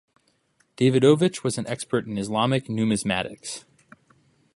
Davidovich was an expert in Islamic numismatics.